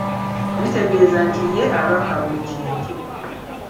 Litegeeza nti ye abaka buli kintu.